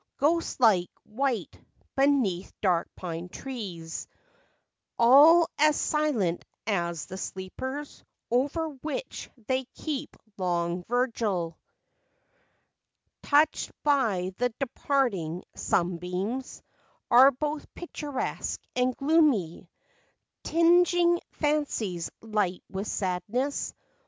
Ghost like, white, beneath dark pine trees, All as silent as the sleepers Over which they keep long vigil, Touched by the departing sunbeams, Are both picturesque and gloomy, Tinging fancies light with sadness.